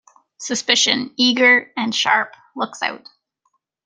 Suspicion, eager and sharp, looks out.